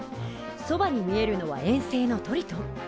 そばに見えるのは衛星のトリトン。